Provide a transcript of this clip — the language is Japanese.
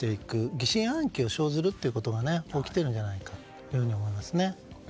疑心暗鬼を生ずるということが起きているように思いますね。